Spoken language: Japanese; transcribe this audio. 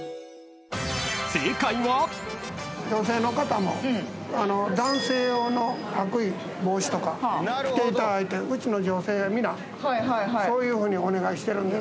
女性の方も男性用の白衣帽子とか着ていただいてうちの女性は皆そういうふうにお願いしてるんです。